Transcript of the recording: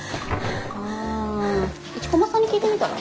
うん一駒さんに聞いてみたら？